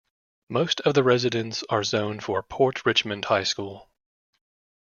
Most of the residents are zoned for Port Richmond High School.